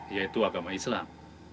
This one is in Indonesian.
yaitu agama islam